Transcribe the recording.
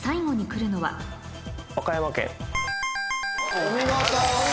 お見事。